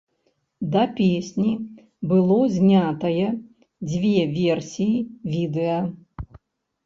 Да песні было знятае дзве версіі відэа.